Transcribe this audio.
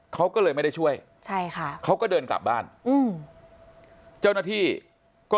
เขาก็เลยไม่ได้ช่วยใช่ค่ะเขาก็เดินกลับบ้านอืมเจ้าหน้าที่ก็